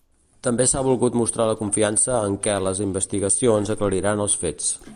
També s’ha volgut mostrar la confiança en què les investigacions aclariran els fets.